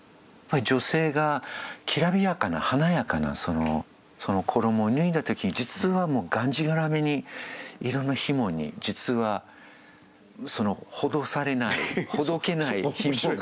女性がきらびやかな華やかなその衣を脱いだ時に実はがんじがらめにいろんな紐に実はほどされないほどけない紐がたくさんあるという。